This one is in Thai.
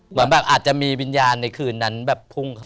เหมือนแบบอาจจะมีวิญญาณในคืนนั้นแบบพุ่งเข้ามา